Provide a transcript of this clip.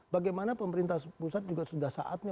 bagaimana pemerintah pusat juga sudah saatnya